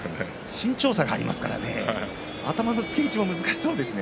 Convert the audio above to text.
身長差がありますから頭をつける位置も難しそうですね。